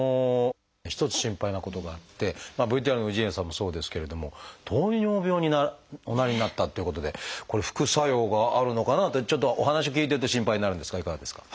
一つ心配なことがあってＶＴＲの氏家さんもそうですけれども糖尿病におなりになったっていうことでこれ副作用があるのかなってちょっとお話を聞いてて心配になるんですがいかがですか？